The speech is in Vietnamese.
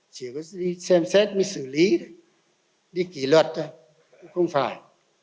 chỉ có xem xét xử lý đi kỷ luật thôi không phải